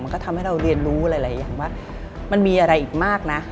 ก็ทำให้เราเรียนรู้หลายอย่างว่ามันมีอะไรอีกมากนะ